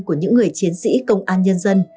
của những người chiến sĩ công an nhân dân